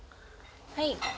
はい。